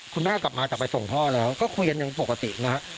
คุณแม่กลับมาจากไปส่งพ่อแล้วก็คุยกันยังปกตินะฮะ